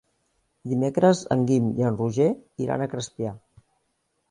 Dimecres en Guim i en Roger iran a Crespià.